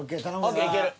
ＯＫいける。